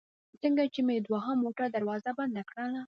څنګه چې مې د دوهم موټر دروازه بنده کړل.